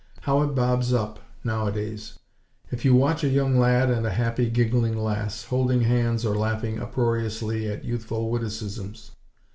How it bobs up, now a days, if you watch a young lad and a happy, giggling lass holding hands or laughing uproariously at youthful witticisms.